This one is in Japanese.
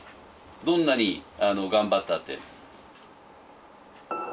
どんなに頑張ったって。